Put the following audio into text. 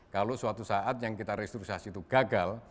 kalau suatu saat yang kita restrukturisasi itu gagal